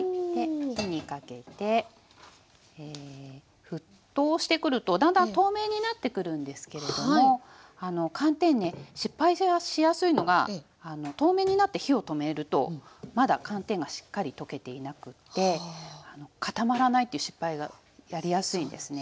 火にかけて沸騰してくるとだんだん透明になってくるんですけれども寒天ね失敗しやすいのが透明になって火を止めるとまだ寒天がしっかり溶けていなくって固まらないって失敗がやりやすいんですね。